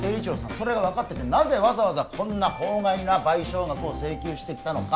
それが分かっててなぜわざわざこんな法外な賠償額を請求してきたのか？